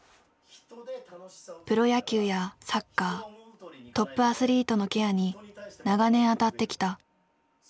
プロ野球やサッカートップアスリートのケアに長年当たってきた。